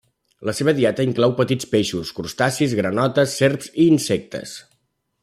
La seva dieta inclou petits peixos, crustacis, granotes, serps i insectes.